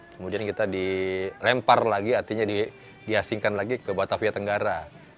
kemudian kita dilempar lagi artinya diasingkan lagi ke batavia tenggara